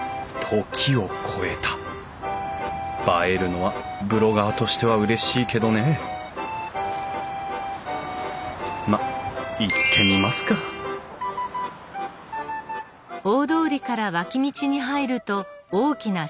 映えるのはブロガーとしてはうれしいけどねまっ行ってみますかお。